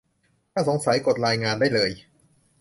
ถ้าสงสัย กดรายงานได้เลย